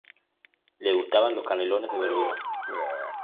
Le gustaban los canelones de verdura.